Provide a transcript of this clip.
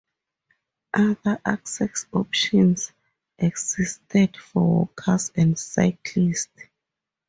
Other access options existed for walkers and cyclists.